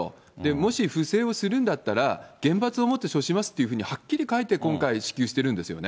もし不正をするんだったら、厳罰をもって処しますというふうにはっきり書いて今回、支給してるんですよね。